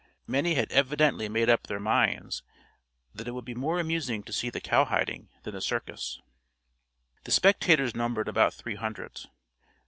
Many had evidently made up their minds that it would be more amusing to see the cowhiding than the circus. The spectators numbered about three hundred.